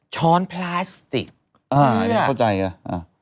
ช้อนพลาสติกเพื่ออ่าไม่เข้าใจอ่ะ